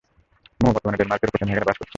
মো বর্তমানে ডেনমার্কের কোপেনহেগেনে বাস করছেন।